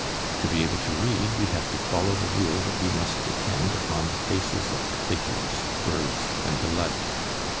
To be able to read we have to follow the rule that we must depend upon the faces of the figures, birds, and the like.